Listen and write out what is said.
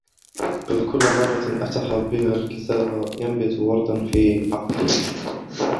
بكل مرة أفتح بها كتاب ينبت ورد في عقلي.